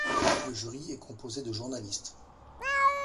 Le jury est composé de journalistes.